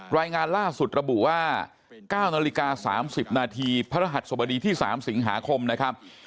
รายงานล่าสุดระบุว่า๙นาฬิกา๓๐นาทีพระรหัสสบดีที่๓สิงหาคมนะครับ